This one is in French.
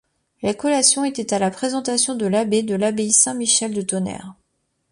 La collation était à la présentation de l'abbé de l'abbaye Saint-Michel de Tonnerre.